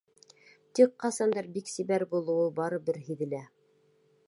Тик ҡасандыр бик сибәр булыуы барыбер һиҙелә.